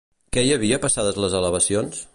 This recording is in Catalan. Què hi havia passades les elevacions?